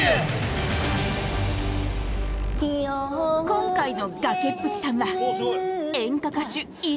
今回の崖っぷちさんは演歌歌手出光仁美。